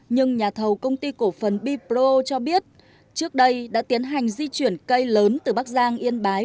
nhưng nhà thầu công ty cổ phần bipro cho biết trước đây đã tiến hành di chuyển cây lớn từ bắc giang yên bái